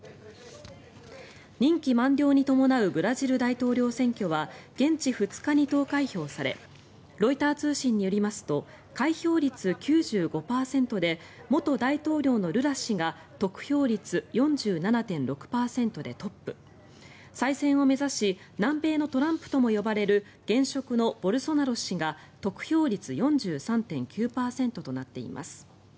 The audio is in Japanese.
任期満了に伴うブラジル大統領選挙は現地２日に投開票されロイター通信によりますと開票率９５％で元大統領のルラ氏が得票率４７．６％でトップ再選を目指し南米のトランプとも呼ばれる現職のボルソナロ氏が得票率４３．９％となっています。